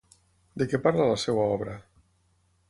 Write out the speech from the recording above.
De què parla la seva obra?